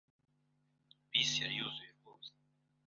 Bisi yari yuzuye rwose.